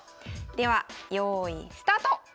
ではよいスタート！